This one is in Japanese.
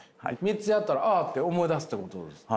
３つやったらああって思い出すってことですか？